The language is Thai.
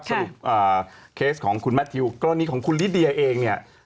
สรุปเคสของคุณแมททิวก็นี่ของคุณลิเดียเอง